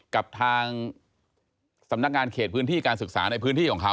กับทางสำนักงานเขตพื้นที่การศึกษาในพื้นที่ของเขา